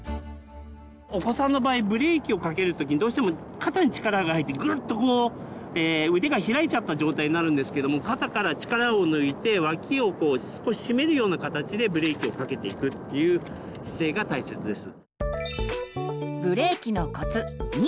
お子さんの場合ブレーキをかける時にどうしても肩に力が入ってグッとこう腕が開いちゃった状態になるんですけども肩から力を抜いて脇をこう少ししめるような形でブレーキをかけていくっていう姿勢が大切です。